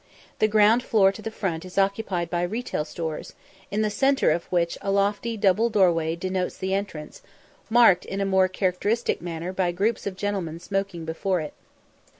The ground floor to the front is occupied by retail stores, in the centre of which a lofty double doorway denotes the entrance, marked in a more characteristic manner by groups of gentlemen smoking before it.